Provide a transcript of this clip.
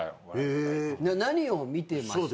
何を見てました？